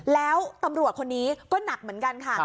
แล้วตำรวจคนนี้ก็หนักเหมือนกันค่ะ